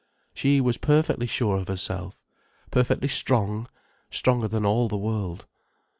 She was perfectly sure of herself, perfectly strong, stronger than all the world.